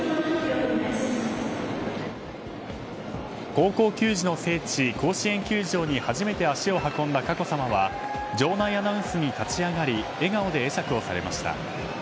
高校球児の聖地、甲子園球場に初めて足を運んだ佳子さまは場内アナウンスに立ち上がり笑顔で会釈をされました。